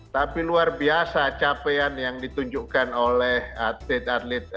tapi luar biasa capaian yang ditunjukkan oleh atlet atlet